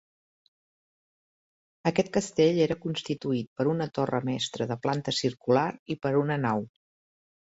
Aquest castell era constituït per una torre mestra de planta circular i per una nau.